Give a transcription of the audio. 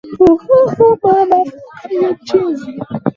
na tano Baadaye Abrahamu babu wa taifa la Israeli kwa imani na